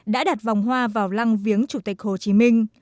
đã đặt vòng hoa vào lăng viếng chủ tịch hồ chí minh